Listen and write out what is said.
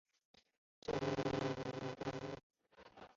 张路寮又掌路寮。